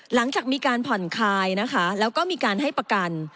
หลังจากมีการผ่อนคลายนะคะแล้วก็มีการให้ประกัน